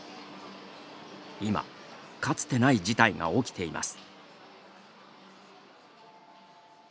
今、かつてない事態が起きています。